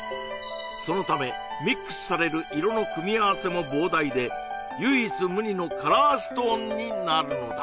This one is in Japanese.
そのためミックスされる色の組み合わせも膨大で唯一無二のカラーストーンになるのだ